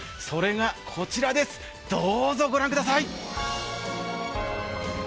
それがこちらです、どうぞ御覧ください。